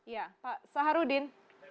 ya pak saharudin